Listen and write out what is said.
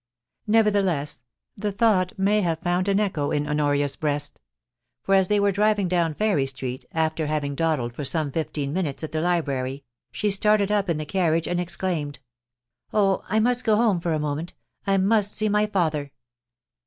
Nevertheless, the thought may have found an echo in Honoria's breast ; for as they were driving down Ferry Street, after having dawdled for some fifteen minutes at the library, she started up in the carriage and exclaimed : *0h, I must go home for a moment; I must see my father